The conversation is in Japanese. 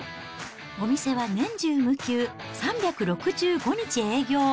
お店は年中無休３６５日営業。